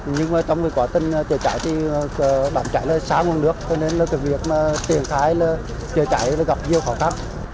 nhưng trong vụ tình trường khái đám cháy là sáu nguồn nước cho nên việc trường khái trường khái gặp nhiều khó khăn